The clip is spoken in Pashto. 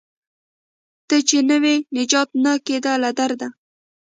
ته چې نه وې نجات نه کیده له درده